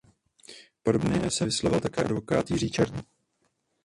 Podobně se vyslovil například také advokát Jiří Černý.